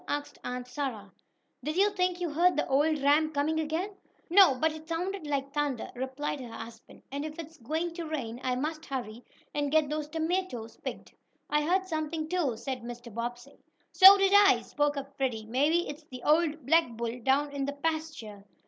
asked Aunt Sarah. "Did you think you heard the old ram coming again?" "No, but it sounded like thunder," replied her husband, "and if it's going to rain I must hurry, and get those tomatoes picked." "I heard something, too," said Mr. Bobbsey. "So did I," spoke up Freddie. "Maybe it's the old black bull down in the pasture."